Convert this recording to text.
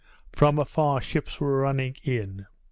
From afar ships were running in.